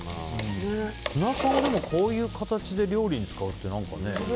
ツナ缶をこういう形で料理に使うってね。